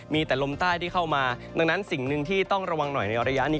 มีแต่ลมใต้ที่เข้ามาดังนั้นสิ่งหนึ่งที่ต้องระวังหน่อยในระยะนี้